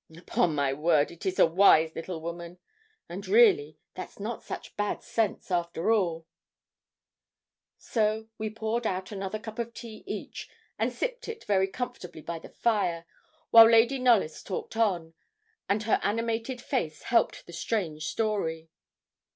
'Upon my word, it is a wise little woman; and really, that's not such bad sense after all.' So we poured out another cup of tea each, and sipped it very comfortably by the fire, while Lady Knollys talked on, and her animated face helped the strange story.